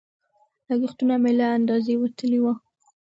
لګښتونه مې له اندازې وتلي وو.